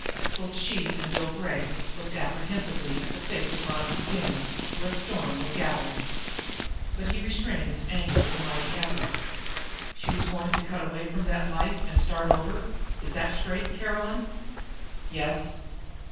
Both she and Bill Gregg looked apprehensively at the dark face of Ronicky Doone, where a storm was gathering. But he restrained his anger with a mighty effort. "She was going to cut away from that life and start over is that straight, Caroline?" "Yes."